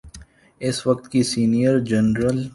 اس وقت کے سینئر جرنیل۔